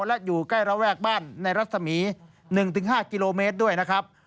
และอยู่ใกล้ระแวกบ้านในรัศมี๑๕กิโลเมตรด้วยนะครับ